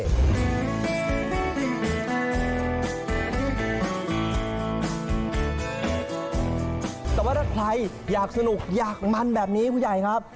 แต่ว่าถ้าใครอยากสนุกอยากมันแบบนี้ผู้ใหญ่ครับ